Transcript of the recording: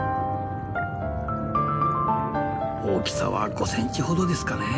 大きさは５センチほどですかね。